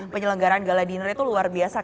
penyelenggaraan gala dinner itu luar biasa